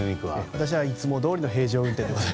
私はいつもどおりの平常運転。